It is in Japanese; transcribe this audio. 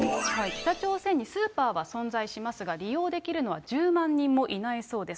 北朝鮮にスーパーは存在しますが、利用できるのは１０万人もいないそうです。